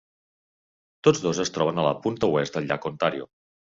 Tots dos es troben a la punta oest del llac Ontario.